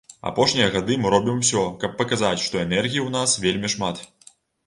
Апошнія гады мы робім усё, каб паказаць, што энергіі ў нас вельмі шмат.